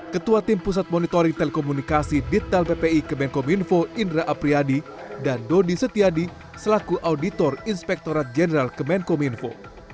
ketua tim pusat monitoring telekomunikasi detail bpi kemenkom info indra apriyadi dan dodi setiadi selaku auditor inspektorat jenderal kemenkom info